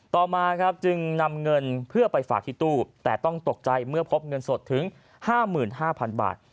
ต่อมาครับจึงนำเงินเพื่อไปฝากที่ตู้แต่ต้องตกใจเมื่อพบเงินสดถึง๕๕๐๐๐บาท